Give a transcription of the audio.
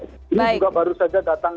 ini juga baru saja datang